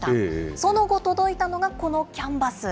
その後、届いたのがこのキャンバス。